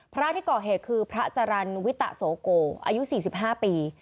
พระที่ก่อเหตุคือพระจรรย์วิตะโสโกอายุ๔๕ปี